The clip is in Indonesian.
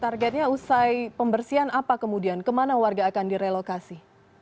targetnya usai pembersihan apa kemudian kemana warga akan direlokasi